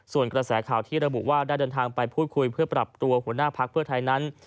ส่วนกระแสข่าวที่ระบุว่าได้เดินทางไปพูดคุยเพื่อปรับตัวหัวหน้าพักเพื่อไทยนั้น